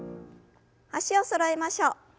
脚をそろえましょう。